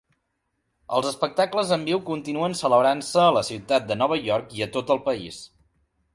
Els espectacles en viu continuen celebrant-se a la ciutat de Nova York i a tot el país.